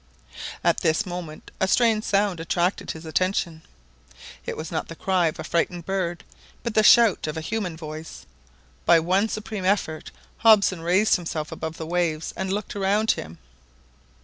At this moment a strange sound attracted his attention. It was not the cry of a frightened bird, but the shout of a human voice! By one supreme effort Hobson raised himself above the waves and looked around him.